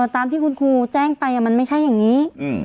ตามที่คุณครูแจ้งไปมันไม่ใช่อย่างนี้